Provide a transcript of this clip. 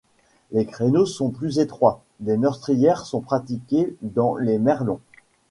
Les créneaux sont plus étroits, des meurtrières sont pratiquées dans les merlons.